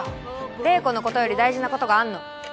怜子のことより大事なことがあんの？